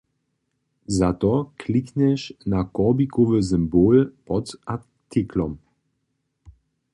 Za to kliknješ na korbikowy symbol pod artiklom.